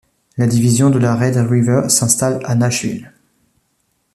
La division de la Red River s'installe à Nashville.